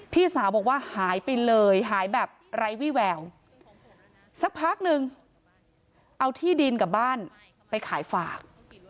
พี่สาวบอกว่าหายไปเลยหายแบบไร้วิแววสักพักนึงเอาที่ดินกับบ้านไปขายฝาก